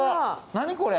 何これ！？